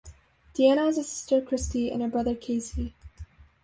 Deanna has a sister, Christie, and a brother, Casey.